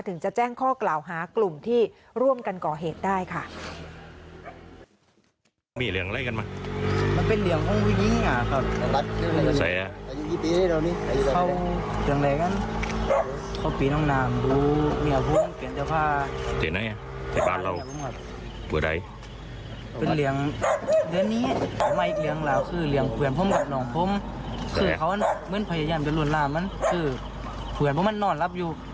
จะแจ้งข้อกล่าวหากลุ่มที่ร่วมกันก่อเหตุได้ค่ะ